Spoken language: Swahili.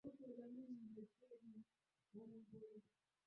Vumbi la ujio wa Barack Obama limeshatua